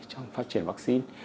trong phát triển vaccine